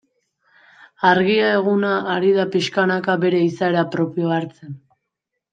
Argia eguna ari da pixkanaka bere izaera propioa hartzen.